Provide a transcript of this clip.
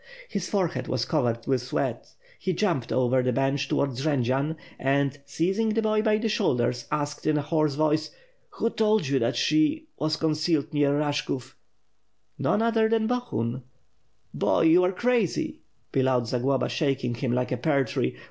His forehead was covered with sweat. He jumped over the bench towards Jendzian; and, seizing the boy by the shoulders, asked in a hoarse voice. "Who told you that she ... was concealed near Bash kov?" "None other than Bohun." "Boy, are you crazy!" bellowed Zagloba, shaking him like a pear tree.